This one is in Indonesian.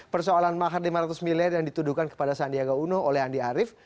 persoalan mahar lima ratus miliar yang dituduhkan kepada sandiaga uno oleh andi arief